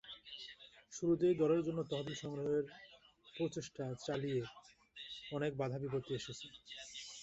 শুরুতেই দলের জন্য তহবিল সংগ্রহের প্রচেষ্টা চালিয়ে অনেক বাধা বিপত্তি এসেছে।